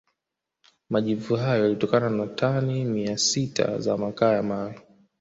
Majivu hayo yaliyotokana na tani mia sita za makaa ya mawe